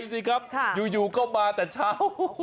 สิครับอยู่ก็มาแต่เช้า